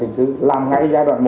tiếp tục làm những giai đoạn hai